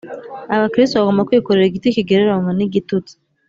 Abakristo bagomba kwikorera igiti kigereranywa n’igitutsi